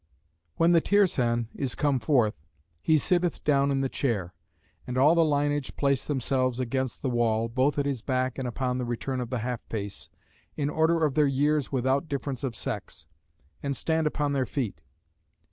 When the Tirsan is come forth, he sitteth down in the chair; and all the linage place themselves against the wall, both at his back and upon the return of the half pace, in order of their years without difference of sex; and stand upon their feet.